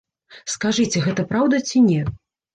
Скажыце, гэта праўда ці не?